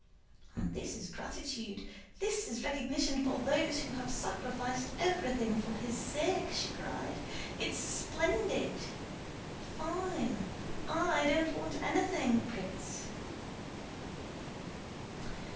"And this is gratitude—this is recognition for those who have sacrificed everything for his sake!" she cried. "It's splendid! Fine! I don't want anything, Prince."